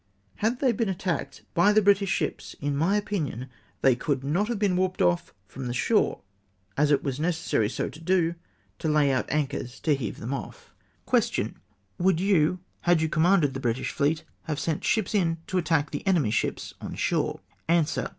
Had they been attacked by the British ships, in my opinion they coidd not have been ivarped off^ from the shore, as it luas necessary so to do, to lay out anchors to heave them o^." 412 THE ATTACK SHOULD HAVE BEEN EARLIER. Question. —" Would you, had you commanded the British fleet, have sent in ships to attack the enemy's ships on shore ?" Ansiver.